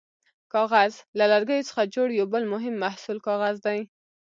کاغذ: له لرګیو څخه جوړ یو بل مهم محصول کاغذ دی.